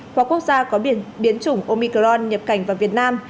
hoặc quốc gia có biển biến chủng omicron nhập cảnh vào việt nam